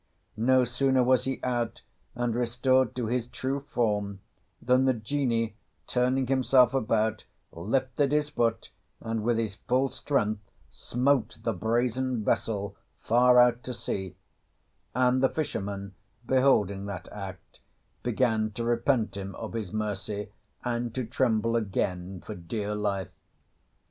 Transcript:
No sooner was he out and restored to his true form than the Genie, turning himself about, lifted his foot and with his full strength smote the brazen vessel far out to sea; and the fisherman, beholding that act, began to repent him of his mercy and to tremble again for dear life.